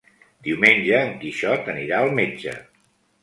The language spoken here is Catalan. Diumenge en Quixot anirà al metge.